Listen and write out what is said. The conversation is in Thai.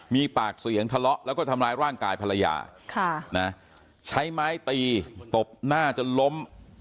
มีปากเสียงทะเลาะแล้วก็ทำร้ายร่างกายภรรยาใช้ไม้ตีตบหน้าจนล้ม